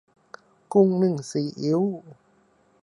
กุ้งนึ่งซีอิ๊ว